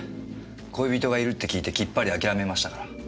恋人がいるって聞いてきっぱり諦めましたから。